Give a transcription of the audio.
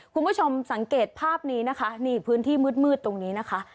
คุณผู้ชมสังเกตภาพนี้นะคะนี่พื้นที่มืดตรงนี้นะคะ